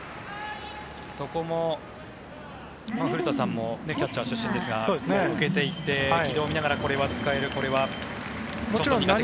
そこも古田さんもキャッチャー出身ですが軌道を見ながらこれは使えるというような。